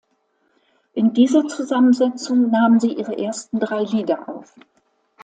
In dieser Zusammensetzung nahmen sie ihre ersten drei Lieder auf.